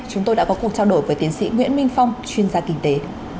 chúng tôi đã có cuộc trao đổi với tiến sĩ nguyễn minh phong chuyên gia kinh tế